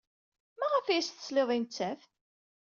Maɣef ay as-teslid i nettat?